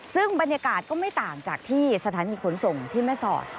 ซึ่งบรรยากาศก็ไม่ต่างจากที่สถานีขนส่งที่แม่สอด